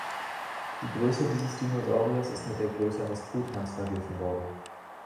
Die Größe dieses Dinosauriers ist mit der Größe eines Truthahns verglichen worden.